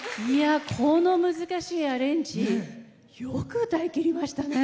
この難しいアレンジよく歌いきりましたね。